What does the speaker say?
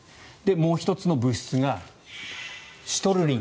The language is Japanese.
もう１つの物質がシトルリン。